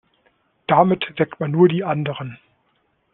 Damit weckt man nur die anderen.